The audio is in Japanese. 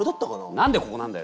何でここなんだよ？